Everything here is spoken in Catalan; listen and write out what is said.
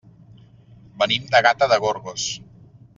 Venim de Gata de Gorgos.